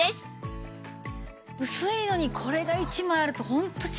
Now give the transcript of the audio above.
薄いのにこれが１枚あるとホント違いますからね。